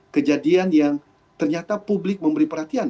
kejadian yang ternyata publik memberi perhatian